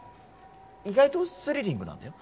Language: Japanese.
意外とスリリングなんだよ